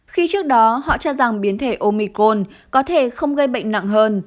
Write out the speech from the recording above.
khi trước đó họ cho rằng biến thể omicron có thể không gây bệnh nặng hơn